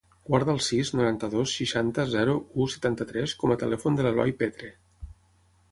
Guarda el sis, noranta-dos, seixanta, zero, u, setanta-tres com a telèfon de l'Eloi Petre.